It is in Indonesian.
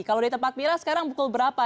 kalau di tempat mira sekarang pukul berapa